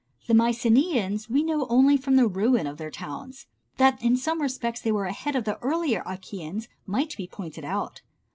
The Myceneans we know only from the ruins of their towns. That in some respects they were ahead of the earlier Achæans might be pointed out.